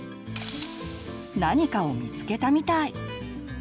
何かを見つけたみたい。